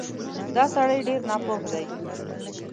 دا سړی ډېر ناپوه دی